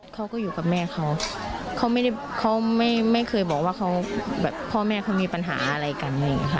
เขาก็อยู่กับแม่เขาเขาไม่เคยบอกว่าพ่อแม่เขามีปัญหาอะไรกัน